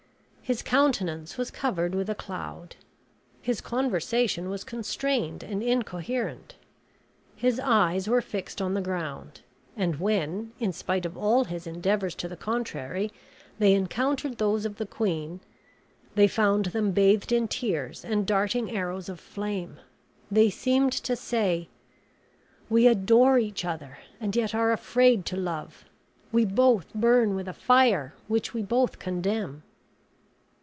His countenance was covered with a cloud. His conversation was constrained and incoherent. His eyes were fixed on the ground; and when, in spite of all his endeavors to the contrary, they encountered those of the queen, they found them bathed in tears and darting arrows of flame. They seemed to say, We adore each other and yet are afraid to love; we both burn with a fire which we both condemn.